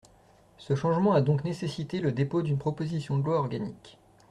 Ce changement a donc nécessité le dépôt d’une proposition de loi organique.